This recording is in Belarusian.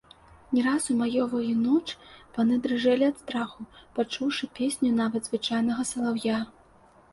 Не раз у маёвую ноч паны дрыжэлі ад страху, пачуўшы песню нават звычайнага салаўя.